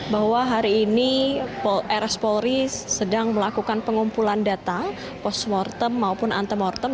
bahwa hari ini rs polri sedang melakukan pengumpulan data post mortem maupun antemortem